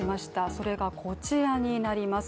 それがこちらになります。